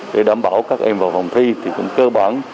để đảm bảo các em vào phòng thi thì cũng cơ bản